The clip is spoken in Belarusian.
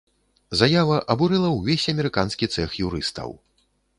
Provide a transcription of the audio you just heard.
Заява абурыла ўвесь амерыканскі цэх юрыстаў.